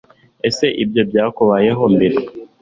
Ese ibyo byakubayeho mbere